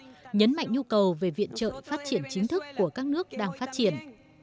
nhấn mạnh nhu cầu về viện trợ phát triển chính thức của các nước đang phát triển